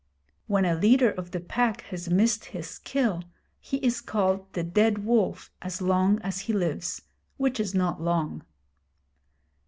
When a leader of the Pack has missed his kill, he is called the Dead Wolf as long as he lives, which is not long.